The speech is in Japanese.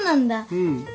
うん。